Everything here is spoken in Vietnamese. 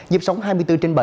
dịp sống hai mươi bốn trên bảy